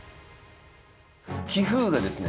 棋風がですね